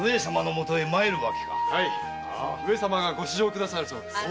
上様がご試乗くださるそうです。